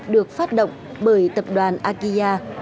được phát động bởi tập đoàn akiya